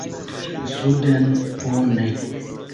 “Suden”, bone.